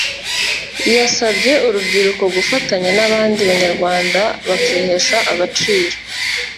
yasabye urubyiruko gufatanya n’abandi Banyarwanda bakihesha agaciro